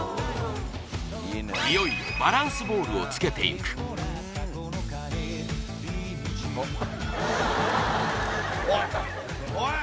いよいよバランスボールをつけていくおいおい！